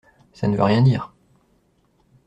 Ça ne veut rien dire.